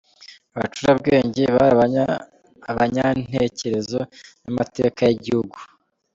Abacurabwenge : Bari abanyantekerezo n’amateka y’ Igihugu.